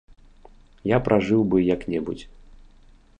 Я пражыў бы як-небудзь.